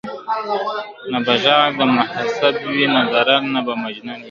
نه به ږغ د محتسب وي نه دُره نه به جنون وي !.